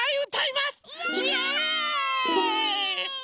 イエーイ！